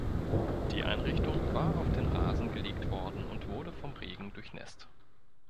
Die Einrichtung war auf den Rasen gelegt worden und wurde vom Regen durchnässt.